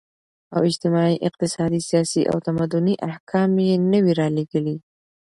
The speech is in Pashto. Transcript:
او اجتماعي، اقتصادي ، سياسي او تمدني احكام ئي نوي راليږلي